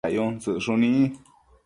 dayun tsëcshuni